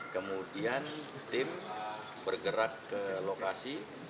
kemudian tim bergerak ke lokasi